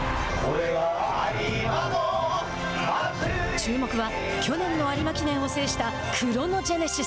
注目は去年の有馬記念を制したクロノジェネシス。